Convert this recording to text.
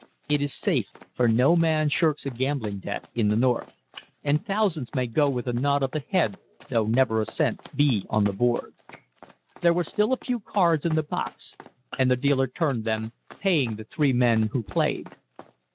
It is safe, for no man shirks a gambling debt in the North, and thousands may go with a nod of the head though never a cent be on the board. There were still a few cards in the box, and the dealer turned them, paying the three men who played.